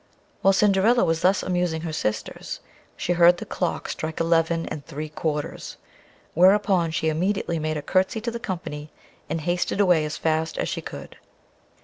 While Cinderilla was thus amusing her sisters, she heard the clock strike eleven and three quarters, whereupon she immediately made a curtesy to the company, and hasted away as fast as she could.